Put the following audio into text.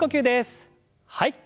はい。